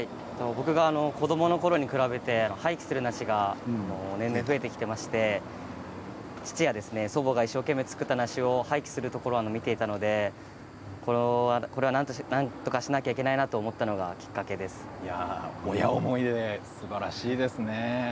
僕が子どものころに比べて廃棄する梨が年々増えてきていまして父や祖母が一生懸命作った梨を廃棄する様子を見ていたのでなんとかしなきゃいけないと親思いですばらしいですね。